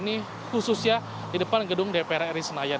kondisi ini khususnya di depan gedung dpr risnayan